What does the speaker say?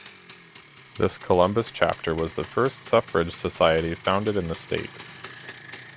This Columbus chapter was the first suffrage society founded in the state.